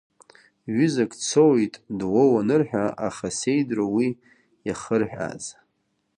Ҩызак дсоуит, дуоу анырҳәа, аха сеидру уи иахырҳәааз.